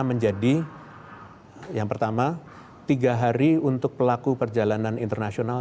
menjadi yang pertama tiga hari untuk pelaku perjalanan internasional